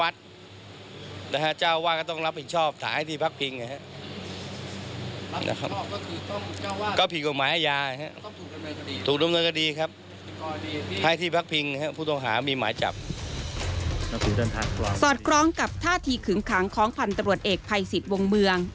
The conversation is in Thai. สอดคล้องกับท่าทีขึงขังของพันธบรวจเอกภัยสิทธิ์วงเมือง